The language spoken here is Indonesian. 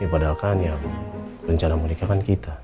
ya padahal kan yang rencana melikakan kita